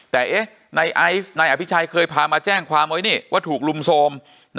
แต่นายไอซ์นายอภิชัยเคยพามาแจ้งความไว้นี่ว่าถูกลุมโทรม